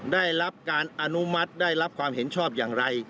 ได้รับการอนุมัติได้รับความเห็นชอบอย่างไร